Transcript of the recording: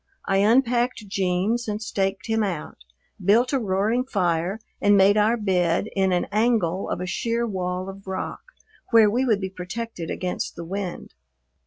I unpacked "Jeems" and staked him out, built a roaring fire, and made our bed in an angle of a sheer wall of rock where we would be protected against the wind.